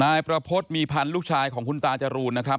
นายประพฤติมีพันธ์ลูกชายของคุณตาจรูนนะครับ